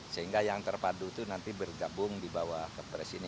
sehingga yang terpadu itu nanti bergabung di bawah kepres ini